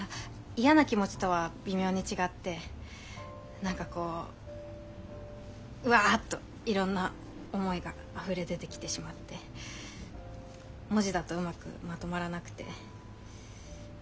嫌な気持ちとは微妙に違って何かこうウワァッといろんな思いが溢れ出てきてしまって文字だとうまくまとまらなくて。